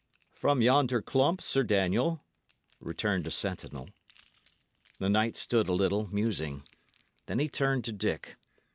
"From yonder clump, Sir Daniel," returned a sentinel. The knight stood a little, musing. Then he turned to Dick.